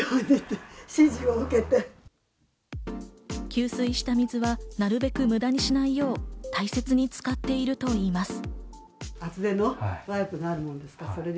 給水した水はなるべく無駄にしないよう大切に使っているといいます。